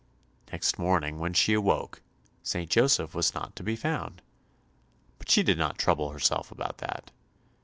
Next morning when she awoke, St. Joseph was not to be found, but she did not trouble herself about that.